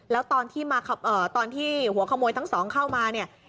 แล้วตอนที่หัวขโมยทั้งสองเข้ามาเนี่ย